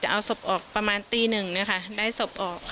จะเอาสบออกประมาณตีนึงครับได้สบออก